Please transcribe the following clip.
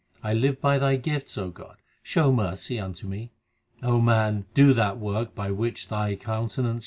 1 live by Thy gifts, O God, show mercy unto me. man, do that work by which thy countenance may be bright.